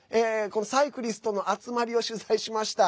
サイクリストの集まりを取材しました。